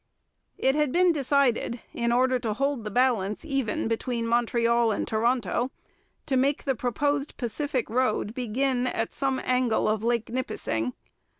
It had been decided, in order to hold the balance even between Montreal and Toronto, to make the proposed Pacific road begin at some angle of Lake Nipissing.